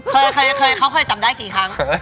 เคยเคยเคยเค้าเคยจำได้กี่ครั้ง